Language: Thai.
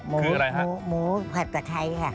แม่เล็กครับ